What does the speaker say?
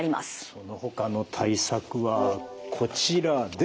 そのほかの対策はこちらです。